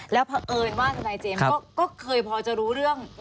แล้วเพราะเอิญว่าทนายเจมส์ก็เคยพอจะรู้เรื่อง